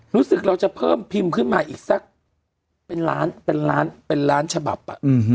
รู้สึกเราจะเพิ่มพิมพ์ขึ้นมาอีกสักเป็นล้านเป็นล้านเป็นล้านฉบับ